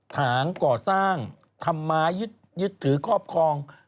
ถางก่อสร้างธรรมายึดถือครอบครอง